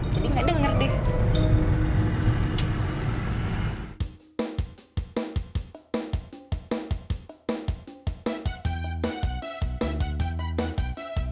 jadi gak denger dia